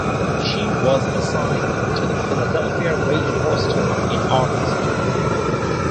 She was assigned to the Philadelphia Rage roster in August.